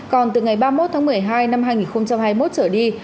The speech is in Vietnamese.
còn từ ngày ba mươi một tháng một mươi hai năm hai nghìn hai mươi một trở đi